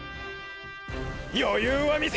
余裕は見せねェ！！